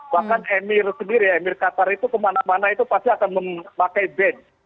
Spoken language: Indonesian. bahkan emir sendiri emir qatar itu kemana mana itu pasti akan memakai band